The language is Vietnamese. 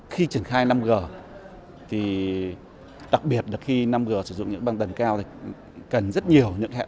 khi triển khai năm g thì đặc biệt là khi năm g sử dụng những băng tầng cao thì cần rất nhiều những hạ tầng